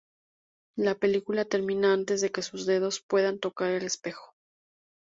La película termina antes de que sus dedos puedan tocar el espejo.